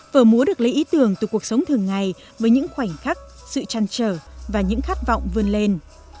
vở múa được lấy ý tưởng từ cuộc sống thường ngày với những khoảnh khắc sự trăn trở và những khát vọng vươn lên